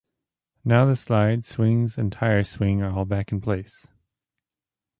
Now the slide, swings, and tire swing are all back in place.